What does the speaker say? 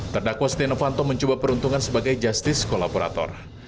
terdakwa setia novanto mencoba peruntungan sebagai justice kolaborator